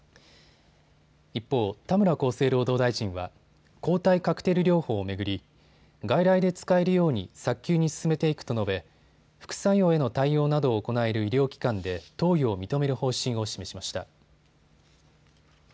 一方、田村厚生労働大臣は抗体カクテル療法を巡り外来で使えるように早急に進めていくと述べ副作用への対応などを行える医療機関で投与を認める方針を示しました。